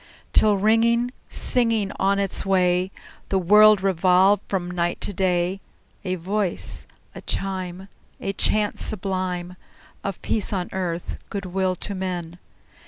Till, ringing, singing on its way, The world revolved from night to day, A voice, a chime, A chant sublime Of peace on earth, good will to men!